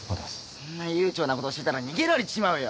そんな悠長なことしてたら逃げられちまうよ！